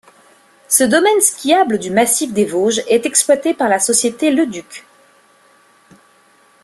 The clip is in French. Ce domaine skiable du massif des Vosges est exploité par la société Leduc.